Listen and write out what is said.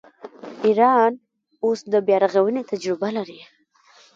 ایران اوس د بیارغونې تجربه لري.